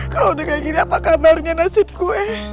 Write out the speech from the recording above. kalau udah gak gini apa kabarnya nasib gue